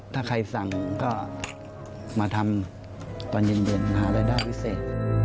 ถ้าใครสั่งก็มาทำตอนเย็นหารายได้พิเศษ